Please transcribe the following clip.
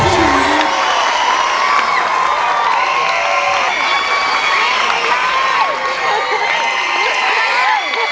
สุภาพ